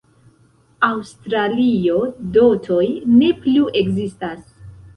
Aŭstralio, dotoj ne plu ekzistas.